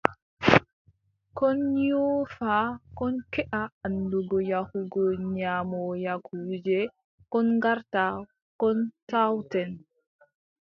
Kon nyuufa, kon keʼa anndugo yahugo nyaamoya kuuje, kon ngarta, kon tawten.